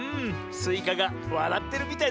スイカがわらってるみたいだね。